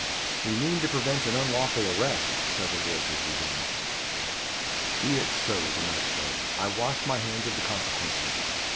"We mean to prevent an unlawful arrest," several voices rejoined. "Be it so," the knight said; "I wash my hands of the consequences."